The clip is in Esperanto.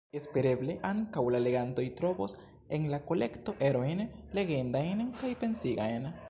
Espereble ankaŭ la legantoj trovos en la kolekto erojn legindajn kaj pensigajn.¨